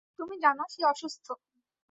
তুমি জানো সে অসুস্থ।